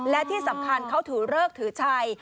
และที่สำคัญเขาถือเลิกถือชัย